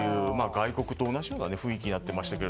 外国と同じような雰囲気になっていましたが。